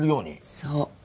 そう。